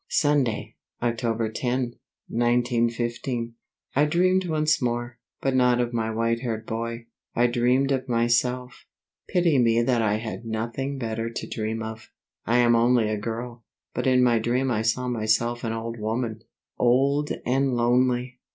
Sunday, October 10, 1915. I dreamed once more, but not of my white haired boy. I dreamed of myself; pity me that I had nothing better to dream of! I am only a girl; but in my dream I saw myself an old woman, old and lonely!